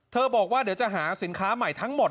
บอกว่าเดี๋ยวจะหาสินค้าใหม่ทั้งหมด